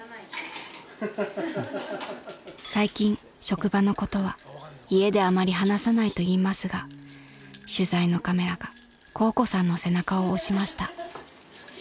［最近職場のことは家であまり話さないと言いますが取材のカメラが香子さんの背中を押しました］